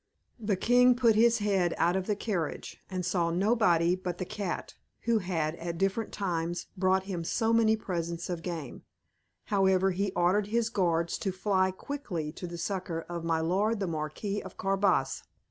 The king put his head out of the carriage, and saw nobody but the cat, who had, at different times, brought him so many presents of game; however, he ordered his guards to fly quickly to the succour of my lord the Marquis of Carabas.